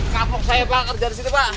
kapok saya pak kerjaan situ pak